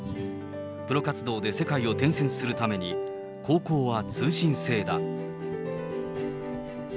プロ活動で世界を転戦するために、高校は通信制だ。